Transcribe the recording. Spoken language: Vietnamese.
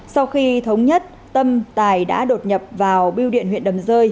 sau khi thống nhất tâm tài đã đột nhập vào biêu điện huyện đầm rơi